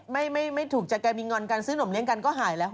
มีอะไรไม่ถูกจัดการมีงอนกันซื้อนมเลี่ยงกันก็หายแล้ว